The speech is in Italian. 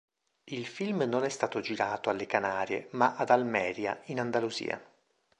Il film non è stato girato alle Canarie ma ad Almería in Andalusia.